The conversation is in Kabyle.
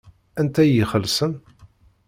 Anta i ixelṣen?